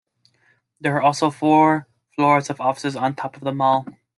There are also four floors of offices on top of the mall.